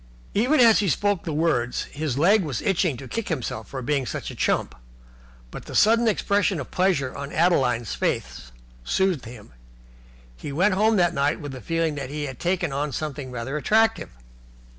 Even as he spoke the words his leg was itching to kick himself for being such a chump, but the sudden expression of pleasure on Adeline's face soothed him; and he went home that night with the feeling that he had taken on something rather attractive.